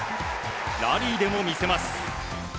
ラリーでも見せます。